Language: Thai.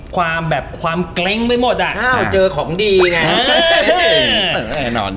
ความแบบความเกร็งไปหมดอ่ะเราเจอของดีนะ